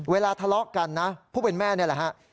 เวลาทะเลาะกันนะผู้เป็นแม่นี่แหละฮะ